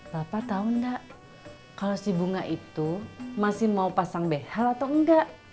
bapak tahu nggak kalau si bunga itu masih mau pasang behal atau enggak